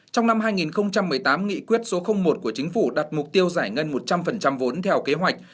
trong năm hai nghìn một mươi tám nghị quyết số một của chính phủ đặt mục tiêu giải ngân một trăm linh vốn theo kế hoạch